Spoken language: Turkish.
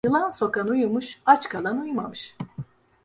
Yılan sokan uyumuş, aç kalan uyumamış.